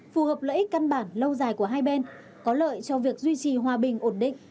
phù hợp lợi ích căn bản lâu dài của hai bên có lợi cho việc duy trì hòa bình ổn định